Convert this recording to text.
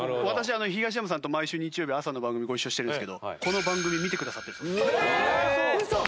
私東山さんと毎週日曜日朝の番組でご一緒してるんですけどこの番組見てくださってるそうです。